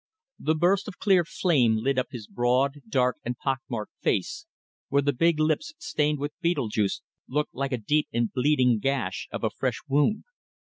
The burst of clear flame lit up his broad, dark, and pock marked face, where the big lips, stained with betel juice, looked like a deep and bleeding gash of a fresh wound.